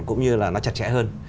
cũng như là nó chặt chẽ hơn